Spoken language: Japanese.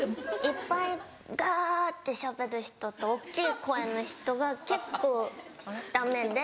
いっぱいガってしゃべる人と大っきい声の人が結構ダメで。